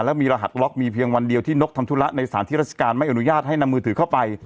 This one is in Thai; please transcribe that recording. แล้วมีรหัสบล็อกมีเพียงวันเดียวที่นกทำธุระในสารที่ราชการไม่อนุญาตให้นำมือถือเข้าไป